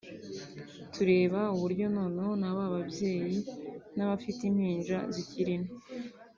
tureba uburyo noneho na ba babyeyi n’abafite impinja zikiri nto